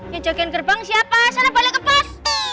ya jagain gerbang siapa sana balik ke pos